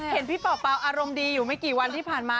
เห็นพี่เป่าอารมณ์ดีอยู่ไม่กี่วันที่ผ่านมา